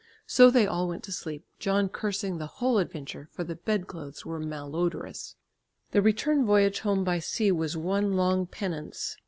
So they all went to sleep, John cursing the whole adventure, for the bed clothes were malodorous. The return voyage home by sea was one long penance.